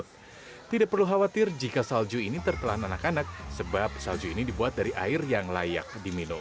tidak perlu khawatir jika salju ini tertelan anak anak sebab salju ini dibuat dari air yang layak diminum